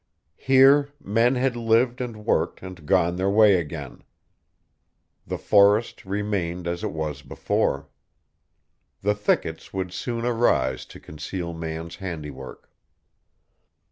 Here men had lived and worked and gone their way again. The forest remained as it was before. The thickets would soon arise to conceal man's handiwork.